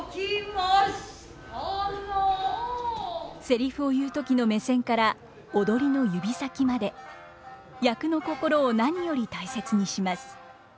せりふを言う時の目線から踊りの指先まで役の心を何より大切にします。